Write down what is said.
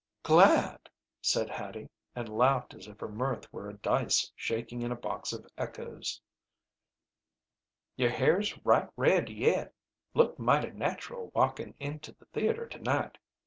"Glad!" said Hattie, and laughed as if her mirth were a dice shaking in a box of echoes. "Your hair's right red yet. Looked mighty natural walkin' into the theater to night.